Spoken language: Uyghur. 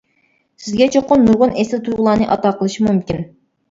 سىزگە چوقۇم نۇرغۇن ئېسىل تۇيغۇلارنى ئاتا قىلىشى مۇمكىن.